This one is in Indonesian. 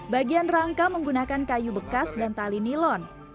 bagian rangka menggunakan kayu bekas dan tali nilon